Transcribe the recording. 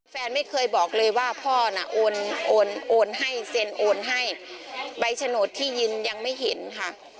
แฟนไม่เคยบอกเลยว่าพ่อน่ะโอนโอนโอนให้เซ็นโอนให้ใบโฉนดที่ยืนยังไม่เห็นค่ะ